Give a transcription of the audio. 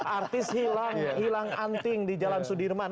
artis hilang anting di jalan sudirman